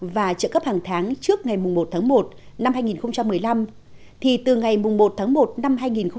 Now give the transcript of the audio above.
và trợ cấp hàng tháng trước ngày một tháng một năm hai nghìn một mươi năm thì từ ngày một tháng một năm hai nghìn một mươi chín